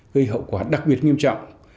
gây hậu quả đặc biệt nghiêm trọng